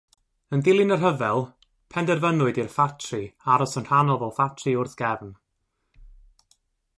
Yn dilyn y rhyfel, penderfynwyd i'r ffatri aros yn rhannol fel ffatri wrth gefn.